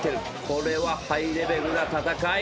これはハイレベルな戦い。